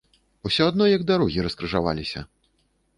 Усё адно як дарогі раскрыжаваліся!